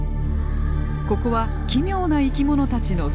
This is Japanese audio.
ここは奇妙な生き物たちの住みか。